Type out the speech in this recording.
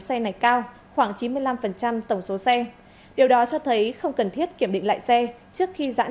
xe này cao khoảng chín mươi năm tổng số xe điều đó cho thấy không cần thiết kiểm định lại xe trước khi giãn